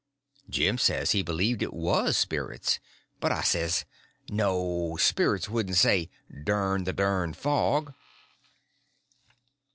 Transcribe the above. Jim said he believed it was spirits; but I says: "No; spirits wouldn't say, 'Dern the dern fog.